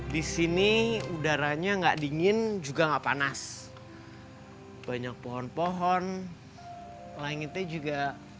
di sini udaranya nggak dingin juga enggak panas banyak pohon pohon langitnya juga